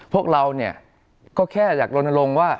พวกเราเนี่ยก็แค่อยากลนลงว่า